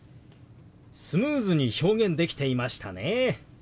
スムーズに表現できていましたね。